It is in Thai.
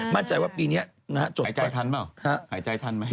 มั่นใจว่าปีนี้นะฮะจดไปหายใจทันมั้ย